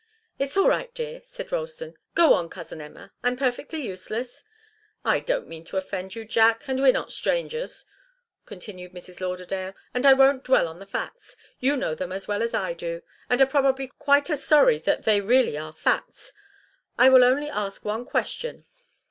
"It's all right, dear," said Ralston. "Go on, cousin Emma. I'm perfectly useless " "I don't mean to offend you, Jack, and we're not strangers," continued Mrs. Lauderdale, "and I won't dwell on the facts. You know them as well as I do, and are probably quite as sorry that they really are facts. I will only ask one question.